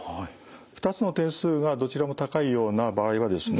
２つの点数がどちらも高いような場合はですね